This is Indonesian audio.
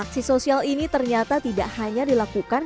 aksi sosial ini ternyata tidak hanya dilakukan